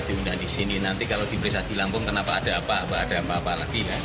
ya jika kita diundang di sini nanti kalau diberi satu langkung kenapa ada apa apa apa lagi